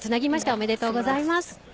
おめでとうございます。